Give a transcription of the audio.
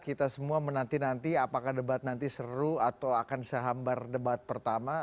kita semua menanti nanti apakah debat nanti seru atau akan sehambar debat pertama